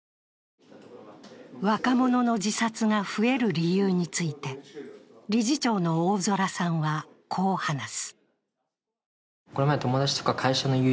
若者の自殺が増える理由について理事長の大空さんは、こう話す。